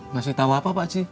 ngasih tau apa pak aji